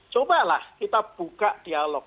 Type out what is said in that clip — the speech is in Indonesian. coba lah kita buka dialog